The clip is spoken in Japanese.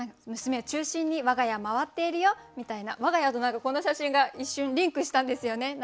娘を中心に我が家回っているよみたいな我が家とこの写真が一瞬リンクしたんですよね。